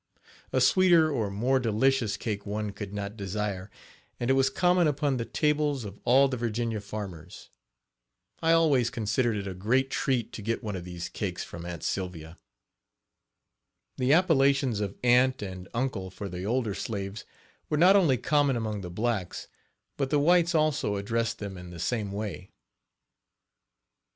A sweeter or more delicious cake one could not desire, and it was common upon the tables of all the Virginia farmers. I always considered it a great treat to get one of these cakes from "Aunt Sylvia." The appellations of "aunt" and "uncle" for the older slaves were not only common among the blacks, but the whites also addressed them in the same way.